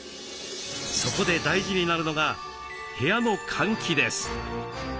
そこで大事になるのが部屋の換気です。